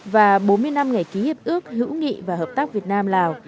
và bốn mươi năm ngày ký hiệp ước hữu nghị và hợp tác việt nam lào